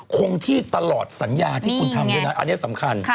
คงที่ตลอดสัญญาที่คุณทำด้วยนะอันนี้สำคัญ